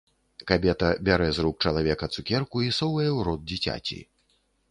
Кабета бярэ з рук чалавека цукерку і совае ў рот дзіцяці.